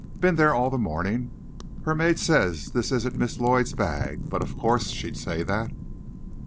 Been there all the morning. Her maid says this isn't Miss Lloyd's bag, but of course she'd say that."